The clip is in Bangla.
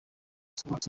আমাদের কাছে খবর আছে।